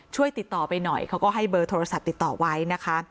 ช่วยติดต่อไปหน่อยเขาก็ให้เบอร์โทรศัพท์ติดต่อไว้นะคะ